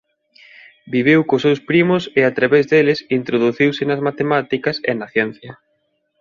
Viviu cos seus primos e a través deles introduciuse nas matemáticas e na ciencia.